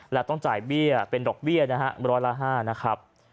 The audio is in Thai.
และต้องจ่ายเบี้ยเป็นดอกเบี้ยนะฮะร้อยละ๕นะครับ